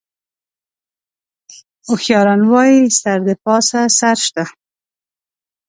هوښیاران وایي: سر د پاسه سر شته.